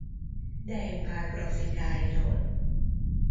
Deim Pál grafikáiról.